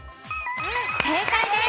正解です。